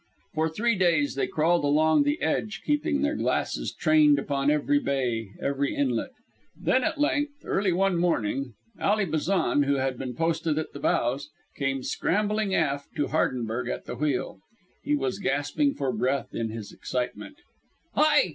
For three days they crawled along the edge keeping their glasses trained upon every bay, every inlet. Then at length, early one morning, Ally Bazan, who had been posted at the bows, came scrambling aft to Hardenberg at the wheel. He was gasping for breath in his excitement. "Hi!